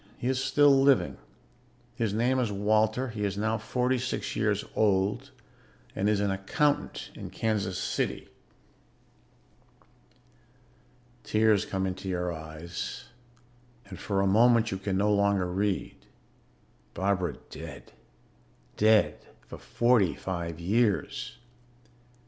He is still living; his name is Walter; he is now forty six years old and is an accountant in Kansas City." Tears come into your eyes and for a moment you can no longer read. Barbara dead dead for forty five years.